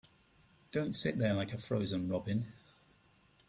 Don't sit there like a frozen robin.